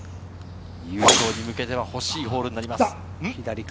優勝に向けては欲しいホールになります。